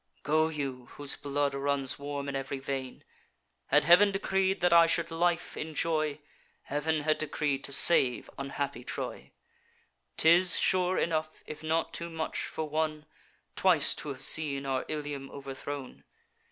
'Go you, whose blood runs warm in ev'ry vein. Had Heav'n decreed that I should life enjoy, Heav'n had decreed to save unhappy Troy. 'Tis, sure, enough, if not too much, for one, Twice to have seen our Ilium overthrown.